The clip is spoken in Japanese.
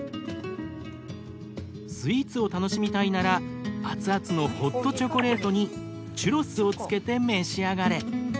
スイーツを楽しみたいなら熱々のホットチョコレートにチュロスをつけて召し上がれ。